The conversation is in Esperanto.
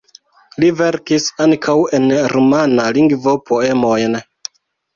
Li verkis ankaŭ en rumana lingvo poemojn.